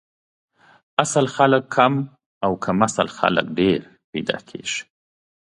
اصل خلک کم او کم اصل خلک ډېر پیدا کیږي